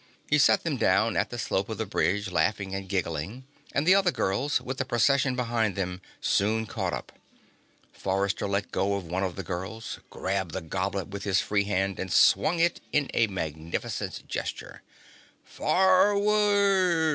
He set them down at the slope of the bridge, laughing and giggling and the other girls, with the Procession behind them, soon caught up. Forrester let go of one of the girls, grabbed the goblet with his free hand and swung it in a magnificent gesture. "Forward!"